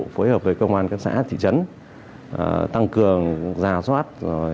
phối hợp với công an các xã thị trấn tăng cường giả soát